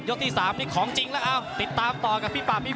ยก๓มีของจริงแล้วอะ